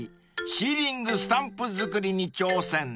シーリングスタンプ作りに挑戦］